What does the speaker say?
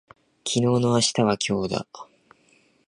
昨日の明日は今日だ